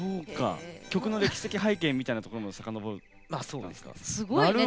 曲の歴史的背景みたいなところまでさかのぼるんだね。